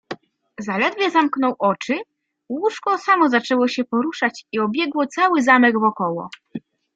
"Zaledwie zamknął oczy, łóżko samo zaczęło się poruszać i obiegło cały zamek wokoło."